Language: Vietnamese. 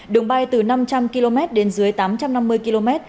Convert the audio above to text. đường bay từ năm trăm linh km đến dưới tám trăm năm mươi km